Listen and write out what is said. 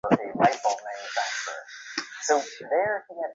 সতীশ, এ যে জুয়া খেলা।